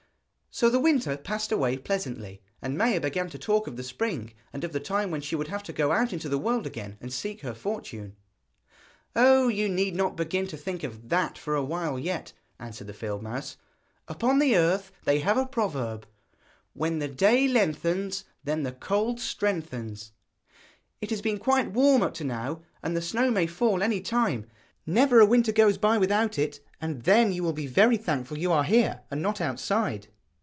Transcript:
So the winter passed away pleasantly, and Maia began to talk of the spring, and of the time when she would have to go out into the world again and seek her fortune. 'Oh, you need not begin to think of that for a while yet,' answered the field mouse. 'Up on the earth they have a proverb: When the day lengthens Then the cold strengthens; it has been quite warm up to now, and the snow may fall any time. Never a winter goes by without it, and then you will be very thankful you are here, and not outside!